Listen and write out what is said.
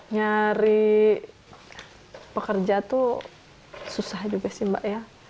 nyari pekerja itu susah juga sih mbak